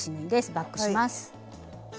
バックします。